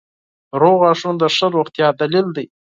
• روغ غاښونه د ښه روغتیا دلیل دی.